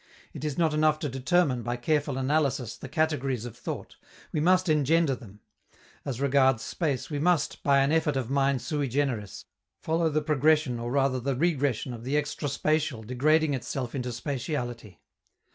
It is not enough to determine, by careful analysis, the categories of thought; we must engender them. As regards space, we must, by an effort of mind sui generis, follow the progression or rather the regression of the extra spatial degrading itself into spatiality.